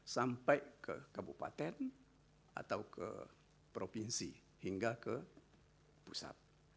sampai ke kabupaten atau ke provinsi hingga ke pusat